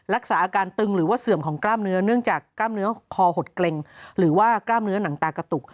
รักษาอาการตึงหรือว่าเสื่อมของกล้ามเนื้อเนื่องจากกล้ามเนื้อคอหดเกร็งหรือว่ากล้ามเนื้อหนังตากระตุก